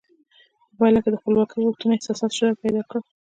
په پایله کې د خپلواکۍ غوښتنې احساساتو شدت پیدا کړ.